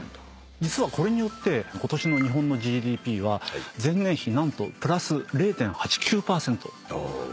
実はこれによってことしの日本のＧＤＰは前年比何とプラス０．８９％増加する。